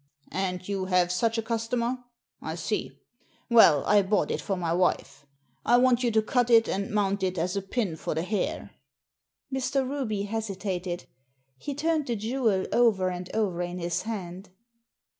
"And you have such a customer? I see. Well, I bought it for my wife. I want you to cut it and mount it as a pin for the hair." Mr. Ruby hesitated. He turned the jewel over and over in his hand.